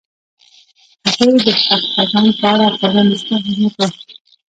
هغې د خوښ خزان په اړه خوږه موسکا هم وکړه.